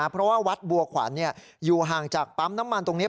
เพราะว่าวัดบัวขวัญอยู่ห่างจากปั๊มน้ำมันตรงนี้